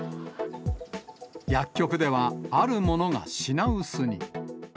薬局ではあるものが品薄に。